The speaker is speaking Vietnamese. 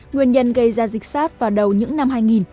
nguyên nhân gây ra dịch sát vào đầu những năm hai nghìn